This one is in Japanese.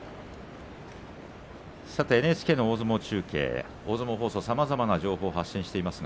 ＮＨＫの大相撲中継大相撲放送さまざまな情報を発信しています。